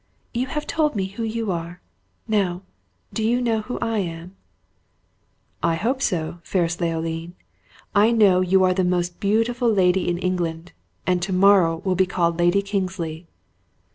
"You have told me who you are. Now, do you know who I am?" "I hope so, fairest Leoline. I know you are the most beautiful lady in England, and to morrow will be called Lady Kingsley!"